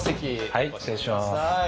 はい失礼します。